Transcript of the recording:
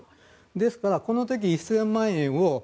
ですから、この時に１０００万円